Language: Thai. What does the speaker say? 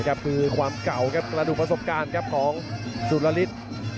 คือความเก่าระดูกประสบการณ์ของสุรธิต